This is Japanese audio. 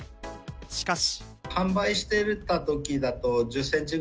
しかし。